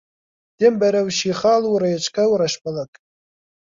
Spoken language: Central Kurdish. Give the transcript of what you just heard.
دێم بەرەو شیخاڵ و ڕێچکە و ڕەشبەڵەک